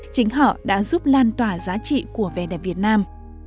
chính họ đã giúp lan tỏa giá trị của vẻ đẹp việt nam